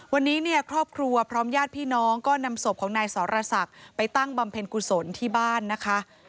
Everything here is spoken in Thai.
วันนี้เนี่ยครอบครัวพร้อมญาติพี่น้องก็นำศพของนายสรศักดิ์ไปตั้งบำเพ็ญกุศลที่บ้านนะคะ